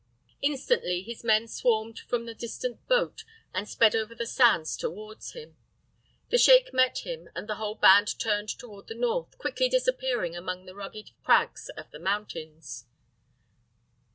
Instantly his men swarmed from the distant boat and sped over the sands toward him. The sheik met them and the whole band turned toward the north, quickly disappearing among the rugged crags of the mountains.